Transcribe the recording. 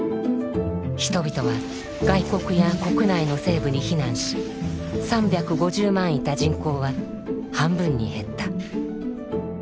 人々は外国や国内の西部に避難し３５０万いた人口は半分に減った。